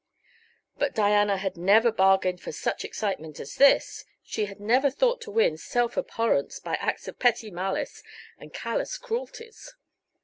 But Diana had never bargained for such excitement as this; she had never thought to win self abhorrence by acts of petty malice and callous cruelties.